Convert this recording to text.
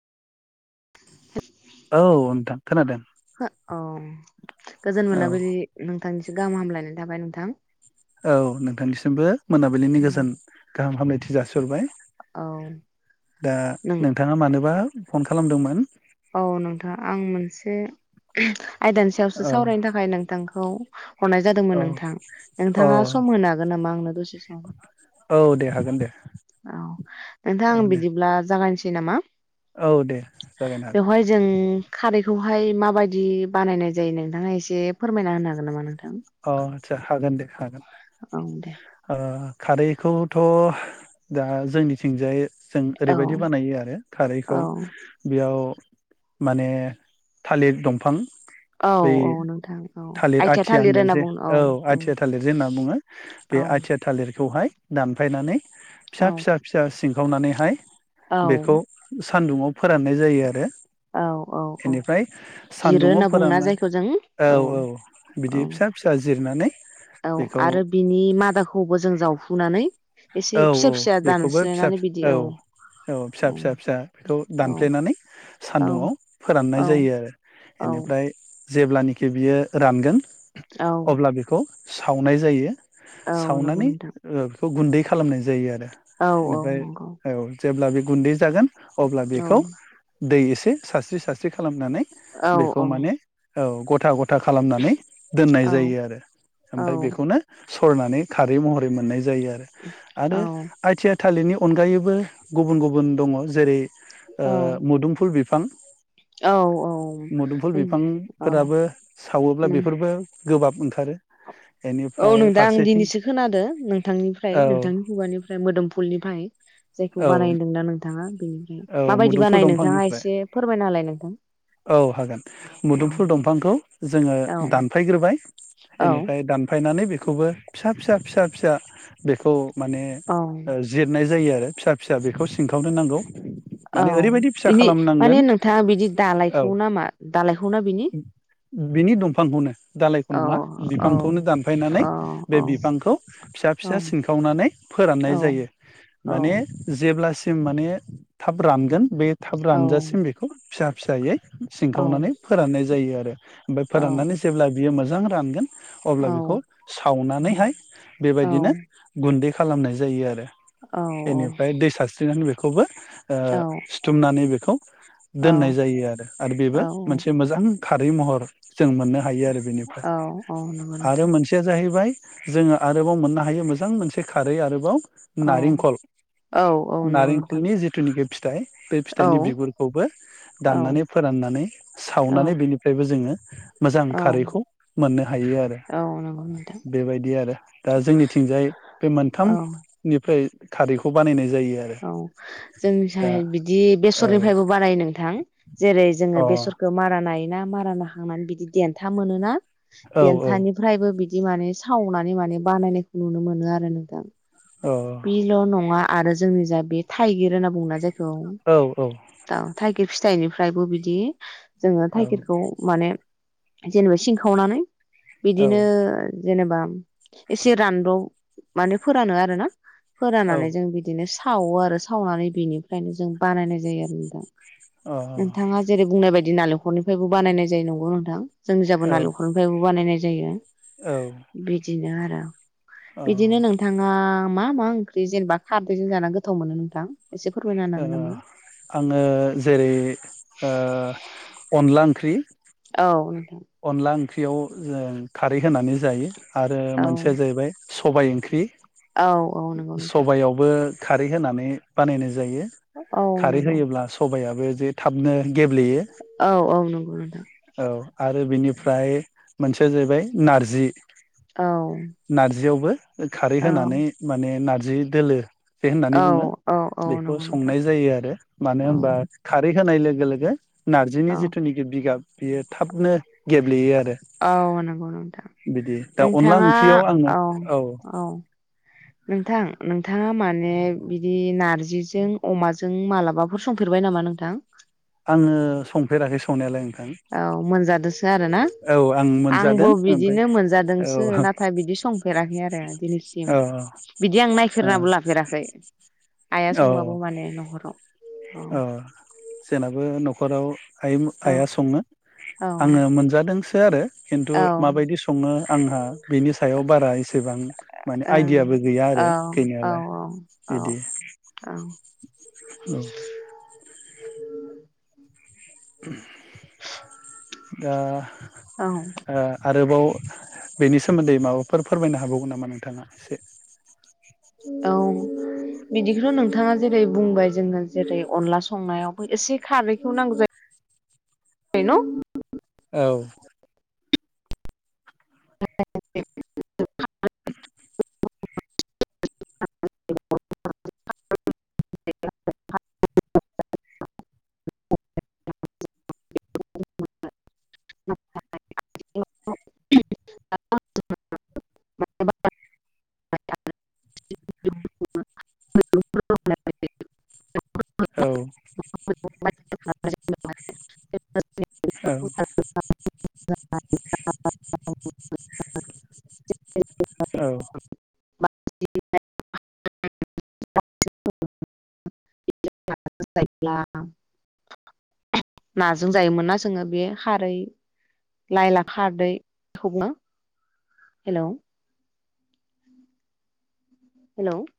औ नोंथां खोनादों हो अ गोजोन औ मोनाबिलि नोंथांनि गाहाम हामलायनाय थाबाय नोंथां। औ नोंथांनिसिमबो मोनाबिलिनि गोजोन गाहाम हामलायथि जासि हरबाय। औ दा नों नोंथांङा मानोबा फन खालामदोंमोन? औ नोंथां आं मोनसे आयदानि सायावसो औ सावरायनो थाखाय नोंथां खौ हरनाय जादोंमोन औ नोंथां औ नोंथाङा सम होनो हागोन नामा आंनो दसे सम? औ दे हागोन दे औ नोंथां औ आं दे बिदिब्ला जागायनस सिनामा औ दे जागायना बेवहाय जों खारैखौहाय माबायदि बानायनाय जायो नोंथाङा एसे फोरमायना होनो हागोन नामा नों अ आदसा हागोन दे। हागोन। औ दे ओ खारैखौथ दा जोंनिथिंजाय जों औ ओरैबायदि बानायो आरो औ खारैखौ बेयाव माने थालिर दंफां औ बै औ नोंथां औ थालिर आइथिया आथिया थालिर होनो हो औ आथिया थालिर जे होनना बुङो बे औ आथिया थालिरखौहाय दानफायनानै फिसा औ फिसा फिसा सिनखावनानैहाय औ बेखौ सानदुङाव फोराननाय जायो आरो। औ औ औ बेनिफ्राय जिरो सानदुङाव होनना बुङोना फोरानना जायखौ जों औ औ औ बिदि फिसा जिरनानै औ बेखौ आरो बिनि मादाखौबो जों जाव खुनानै औ औ बेखौबो फिसा औ औ फिसा फिसा फिसा बेखौ औ दानफ्लेनानै औ सान्दुङाव फोराननाय औ जायो आरो औ इनिफ्राय जेब्लानाखि बियो रानगोन औ अब्ला बिखौ सावनाय जायो। औ नंगौ सावनानै नोंथां ओ गुन्दै खालामनाय जायो आरो। औ औ बेनिफ्राय नंगौ। औ जेब्ला बे गुन्दै जागोन अब्ला औ बेखौ दै एसे सारस्रि सारस्रि खालामनानै औ बेखौ औ माने औ गथा गथ था खालामनानै दोननाय औ जायो आरो औ ओमफ्राय बेखौनो सरनानै खारै महरै मोननाय जायो। औ आरो आइटिया थालिरनि अनगायैबो गुबुन गुबुन दङ जेरै ओ मुदुमफुल बि फां औ मुदुमफुल औ बिफांफोराबो सावोब्ला नों बेफोरबो गोबाब ओंखारो औ बेनिफ्राय नोंदां आं फारसेथिं दिनैसो खोनादों नोंथांनि औ नोंथांनि खुगानिफ्राय मोदोमफुलनि फाय औ बेनिफ्राय औ माबायदि मुदुमफुल बानायो नोंथाङा दंफांनिफ्राय एसे फोरमायना होलाय नोंथां औ हागोन औ मुदुमफुल दंफांखौ जोङो औ दानफायग्रोबाय एनिफाय दानफायनानै बे-' बेखौबो फिसा फिसा फिसा फिसा बेखौ माने औ ओ जिरनाय जायो आरो फिसा फिसा बेखौ सिंखाव दोननांगौ औ बेनि माने नोंथाङा बिदि औ दालायखौ ना मा दालायखौ ना बिनि? बिनि दंफांखौनो दालायखौ औ नङा औ बिफांखौनो औ दानफायनानै औ बे बिफांखौ फिसा औ फिसा सिनखावनानै औ फोराननाय जायो माने जेब्लासिम माने थाब रानगोन बे थाब रानजासिम बेखौ फिसा फिसायै औ सिंखावनानै फोराननाय जायो आरो ओमफ्राय फोराननानै जेब्ला बियो मोजां मोजां रानगोन अब्ला बेखौ सावना नैहाय बेबायदिनो गुन्दै खालामनाय जायो आरो औ औ फाय दै सारस्रिनानै बेखौ खौबो ओ सिथुमनानै बे दोननाय जायो आरो आरो औ बेबो मोनसे मोजां खारै महर जों मोननो हायो आरो बेनिफ्राय औ औ नंगौ आरो नोंथां मोनसेया जाहैबाय जोङो आरोबाव मोननो हायो मोजां मोनसे खारै आरोबाव औ नारेंखल औ औ नंगौ नोंथां नारेंखलनि जिथुनिखि फिथाइ बे औ फिथाइनि बिगुरखौबो औ दाननानै फोराननानै सावनानै औ बेनिफ्रायबो जोङो मोजां औ खारैखौ मोननो हायो आरो औ नंगौ नोंथां बेबायदि आरो दा जोंनिथिंजाय बे औ मोनथामनिफ्राय थारिख खौ बानायनाय औ दा जोंनिसाय बिदि औ बेसरनिफ्रायबो बानायो नोंथां जेरै जोङो अ बेसरखौ मारानाय ना मारानाखांनानै बिदि देनथा मोनोना औ देन्थानिफ्रायबो बिदि बिदि माने सावनानै माने बानायनायखौ नुनो मोनो आरो नोंथां औ बिल' नङा आरो जोंनि जा बे थाइगिर होनना बुङो ना जाय औ दा थाइगिर फिथाइनिफ्रायबो बिदि जोङो औ थाइगिरखौ माने जेनबा सिंखावनानै औ बिदिनो जेनेबा एसे रानद'ब माने फोरानो आरो ना फोराननानै जों बिदिनो सावो आरो सावनानै बेनिफ्रायनो जों बानायनाय जायो आरो नोंथां नोंथाङा जेरै बुंनाय बायदि बिदि नालेंखरनिफ्रायबो बानायनाय जायो नंगौ नोंथां जोंनि जाबो अ औ नालेंखरनिफ्रायबो बानायनाय जायो बिदिनो आ आ औ बिदिनो नोंथाङा मा मा ओंख्रि जेनबा खारदैजों जाना गोथाव मोनो नोंथां एसे फोरमायना ओ होनो हागोन नामा आङो जेरै ओ अनला ओंख्रि औ नों अनला ओंख्रि याव जों खारै होनानै जायो आरो औ मोनसेया जाहैबाय सबाय ओंख्रि औ औ नंगौ नोंथां सबायावबो खारै होनानै बानायनो जायो औ खारै नंगौ होयोब्ला सबाया बे जे थाबनो गेब्लेयो औ औ नंगौ नोंथां औ आरो बेनिफ्राय मोनसेया जाहैबाय नारजि औ नारजियावबो खारै औ होनानै माने नार्ज जि दोलो बे होननानै औ बुङो औ औ बेखौ नंगौ नों संनाय जायो आरो औ मानो होनबा खारै होनाय लोगो लोगोे औ नारजिनि जिथुनाखि बिगाब बियो थाब दिनो गेब्लेयो आ औ नोंगौ नोंथां दा अनला नोंथाङा ओंख्रियाव आङो औ औ नोंथां नोंथाङा माने बिदि नारजिजों अमाजों मालाबाफोर संफेरबाय नामा नोंथां आङो संफेराखै संनायालाय नोंथां औ मोनजादोसो आरोना औ आं आंबो मोनजादों ओमफ्राय बिदिनो औ मोनजादोंसो नाथाय बिदि संफेराखै आरो दिनैसिम औ बिदि आं नायफेरनाबो लाफेराखै आइया संबाबो माने न'खराव औ ओ जेनाबो न'खराव आइ मो औ आइया सङो आङो औ मोनजादोंसो आरो खिन्थु माबायदि सङो आंहा बिनि सायाव बारा एसेबां माने ओं आइडियाबो गैया औ आरो औ गैनायालाय औ बिदि औ दा औ ओ आरोबाव बेनि सोमोन्दै माबाफोर फोरमायनो हाबावगोन नामा नोंथाङा एसे औ बिदिखौथ' नोंथाङा जेरै बुंबाय जोंनो जेरै अनला संनायावबो एसे खारैखौ नांगौ जायो औ [unintelligible] [inaudible] [unintelligible] [unintelligible] [unintelligible] [unintelligible] [unintelligible] [unintelligible] औ [unintelligible] औ औ [unintelligible] [unintelligible] नाजों जायोमोन ना जोङो बे खारै लाइला खारदैखौनो हेल' हेल'